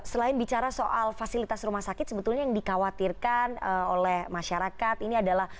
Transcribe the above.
selain bicara soal fasilitas rumah sakit sebetulnya yang dikhawatirkan oleh masyarakat ini adalah